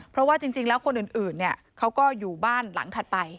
เพราะว่าจริงแล้วคนอื่นเขาก็อยู่บ้านหลังถัดไป